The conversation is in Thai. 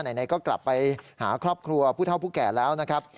ไหนก็กลับไปหาครอบครัวผู้เท่าผู้แก่แล้วนะครับ